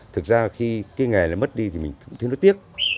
thực ra khi cái nghề nó mất đi thì mình cũng thấy nó tiếc